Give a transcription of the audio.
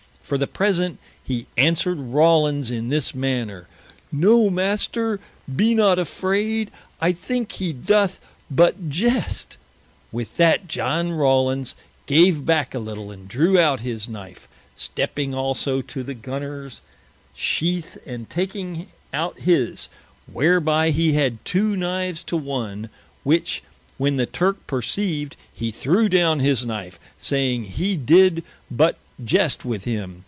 For the present, he answered Rawlins in this manner, "no Master, be not afraid, I thinke hee doth but iest." With that John Rawlins gave backe a little and drew out his Knife, stepping also to the Gunners sheath and taking out his, whereby he had two Knives to one, which when the Turke perceived, he threw downe his Knife, saying, hee did but iest with him.